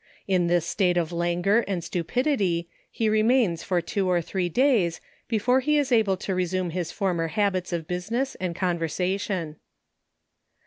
In this state of languor and stupidity, he remains for two or three days, before he is able to re sume his former habits of business and conversation.